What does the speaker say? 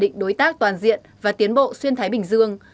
định đối tác toàn diện và tiến bộ xuyên thái bình dương